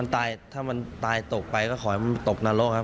ตายถ้ามันตายตกไปก็ขอให้มันตกนรกครับ